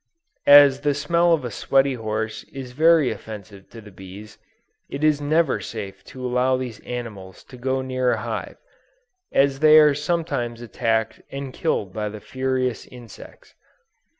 As the smell of a sweaty horse is very offensive to the bees, it is never safe to allow these animals to go near a hive, as they are sometimes attacked and killed by the furious insects.